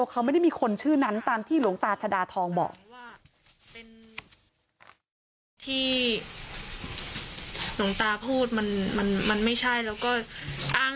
การไม่ได้เป็นพี่น้องการไม่ได้เป็นหน้าล้าน